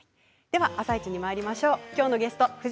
では「あさイチ」にまいりましょう。